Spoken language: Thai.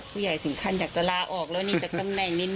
ผู้ใหญ่ถึงขั้นอยากจะลาออกแล้วนี่จากตำแหน่งนี้